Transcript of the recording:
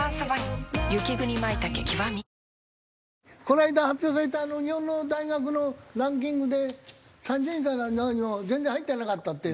この間発表された日本の大学のランキングで３０位からの全然入ってなかったって。